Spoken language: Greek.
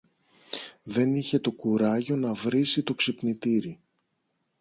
Δεν είχε το κουράγιο να βρίσει το ξυπνητήρι